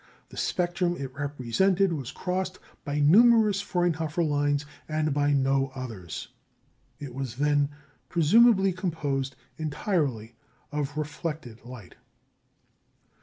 The spectrum it represented was crossed by numerous Fraunhofer lines, and by no others. It was, then, presumably composed entirely of reflected light.